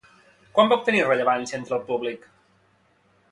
Quan va obtenir rellevància entre el públic?